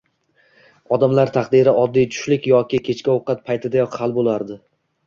«Odamlar taqdiri oddiy tushlik yoki kechki ovqat paytidayoq hal bo’lardi.